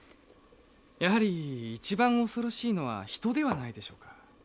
やはり一番恐ろしいのは人ではないでしょうか。